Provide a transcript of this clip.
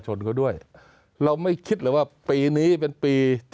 เพื่อนเขาด้วยเราไม่คิดหรอกวะปีนี้เป็นปี๗๐